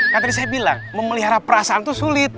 kan tadi saya bilang memelihara perasaan itu sulit